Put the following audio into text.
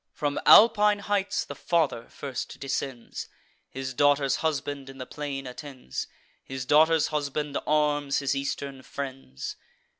From Alpine heights the father first descends; His daughter's husband in the plain attends: His daughter's husband arms his eastern friends.